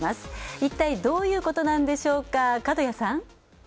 一体、どういうことなんでしょうか、角谷さん。